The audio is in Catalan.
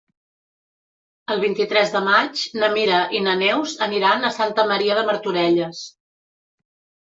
El vint-i-tres de maig na Mira i na Neus aniran a Santa Maria de Martorelles.